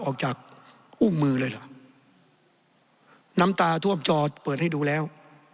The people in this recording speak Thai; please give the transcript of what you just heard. ออกจากอุ้งมือเลยเหรอน้ำตาท่วมจอเปิดให้ดูแล้ว